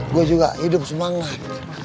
gue juga hidup semangat